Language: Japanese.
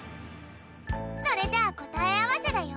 それじゃあこたえあわせだよ。